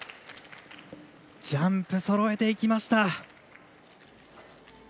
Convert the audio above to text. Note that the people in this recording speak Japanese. ジャンプそろえていきました！